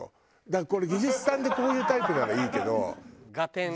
だからこれ技術さんでこういうタイプならいいけど。ガテン。